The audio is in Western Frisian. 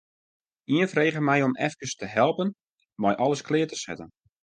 Ien frege my om efkes te helpen mei alles klear te setten.